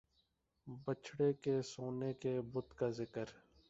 بچھڑے کے سونے کے بت کا ذکر